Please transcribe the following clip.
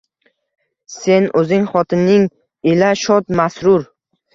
Sen o’zing, xotining ila shod, masrur